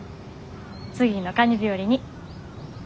次のカニ日和に。